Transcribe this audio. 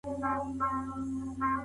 هغه وويل چي اخلاقيات مهم دي.